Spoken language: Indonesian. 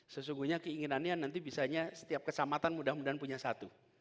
sesungguhnya keinginannya nanti bisanya setiap kecamatan mudah mudahan punya satu